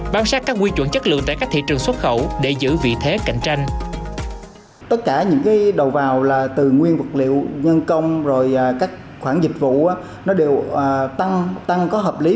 bám sát các quy chuẩn chất lượng tại các thị trường xuất khẩu để giữ vị thế cạnh tranh